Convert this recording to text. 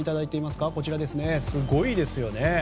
すごいですよね。